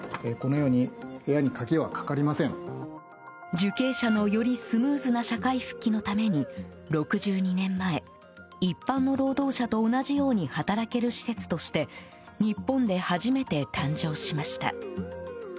受刑者のよりスムーズな社会復帰のために６２年前、一般の労働者と同じように働ける施設として日本で初めて誕生しました。